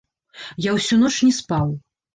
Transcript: Я ўсю ноч не спаў.